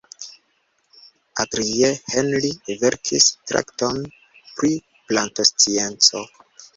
Adrien-Henri verkis traktaton pri plantoscienco.